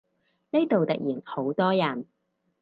呢度突然好多人